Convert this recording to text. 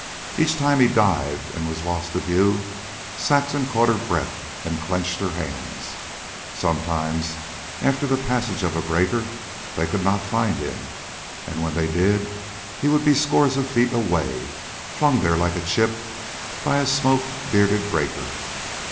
Each time he dived and was lost to view Saxon caught her breath and clenched her hands. Sometimes, after the passage of a breaker, they could not find him, and when they did he would be scores of feet away, flung there like a chip by a smoke bearded breaker.